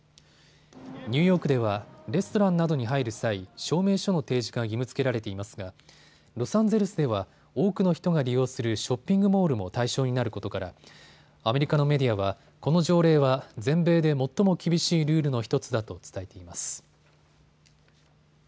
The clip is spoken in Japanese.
ニューヨークではレストランなどに入る際、証明書の提示が義務づけられていますがロサンゼルスでは多くの人が利用するショッピングモールも対象になることからアメリカのメディアはこの条例は全米で最も厳しいルールの１つだと伝えています。